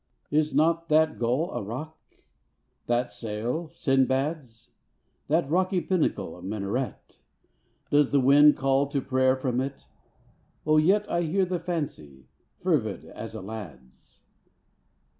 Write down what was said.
Is not that gull a roc? That sail Sindbad's? That rocky pinnacle a minaret? Does the wind call to prayer from it? O yet I hear the fancy, fervid as a lad's!